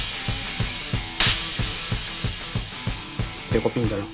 デコピンだな。